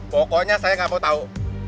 pokoknya saya nggak mau tahu